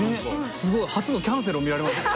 すごい初のキャンセルも見られましたよ。